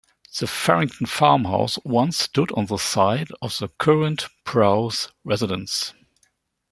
The Farrington farmhouse once stood on the site of the current Prowse residence.